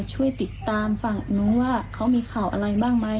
ช่วยติดตามฝั่งนู้นว่าเขามีข่าวอะไรบ้างไหม